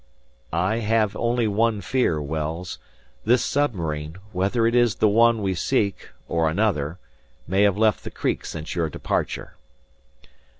'" "I have only one fear, Wells; this submarine, whether it is the one we seek or another, may have left the creek since your departure."